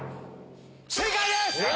正解です。